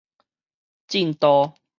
震度